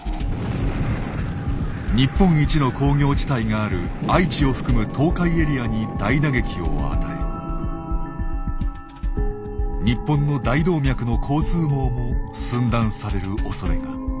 日本一の工業地帯がある愛知を含む東海エリアに大打撃を与え日本の大動脈の交通網も寸断されるおそれが。